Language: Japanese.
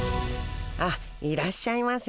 あっいらっしゃいませ。